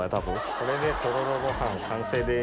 これでとろろご飯完成です。